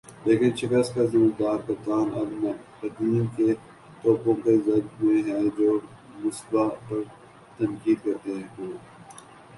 لیکن شکست کا "ذمہ دار" کپتان اب ناقدین کی توپوں کی زد میں ہے جو مصباح پر تنقید کرتے ہوئے